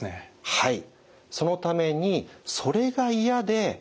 はい。